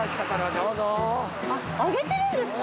あげてるんですか？